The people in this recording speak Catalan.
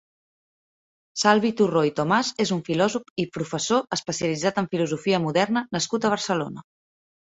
Salvi Turró i Tomàs és un filòsof i professor especialitzat en filosofia moderna nascut a Barcelona.